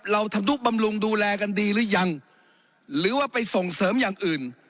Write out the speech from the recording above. เราทำนุบำรุงดูแลกันดีหรือยังหรือว่าไปส่งเสริมอย่างอื่น